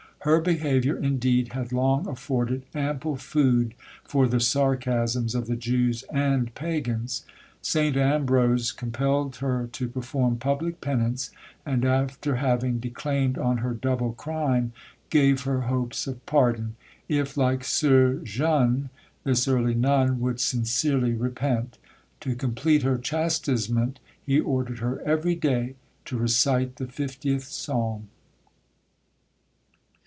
Her behaviour, indeed, had long afforded ample food for the sarcasms of the Jews and Pagans. Saint Ambrose compelled her to perform public penance, and after having declaimed on her double crime, gave her hopes of pardon, if, like "Soeur Jeanne," this early nun would sincerely repent: to complete her chastisement, he ordered her every day to recite the fiftieth psalm.